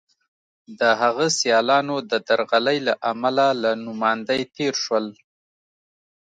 د هغه سیالانو د درغلۍ له امله له نوماندۍ تېر شول.